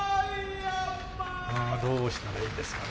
どうしたらいいんですかね。